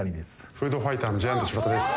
フードファイターのジャイアント白田です